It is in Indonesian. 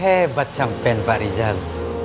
hebat sampean pak rizal